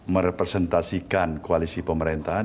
merepresentasikan koalisi pemerintahan